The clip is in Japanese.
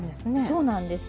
そうなんですよ。